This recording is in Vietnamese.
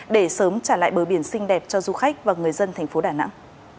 để sớm trả lại bờ biển xinh đẹp cho du khách và người dân thành phố đà nẵng